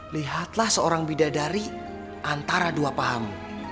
lihatlah seorang bidadari antara dua paham